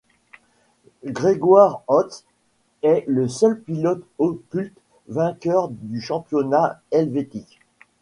Grégoire Hotz est le seul pilote octuple vainqueur du championnat helvétique.